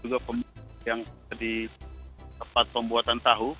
juga pemeriksaan yang sedi tempat pembuatan tahu